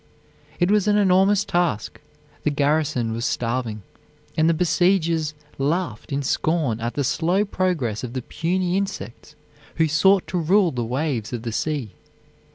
It was an enormous task; the garrison was starving; and the besiegers laughed in scorn at the slow progress of the puny insects who sought to rule the waves of the sea.